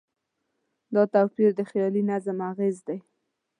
دا توپیر د خیالي نظم اغېز دی.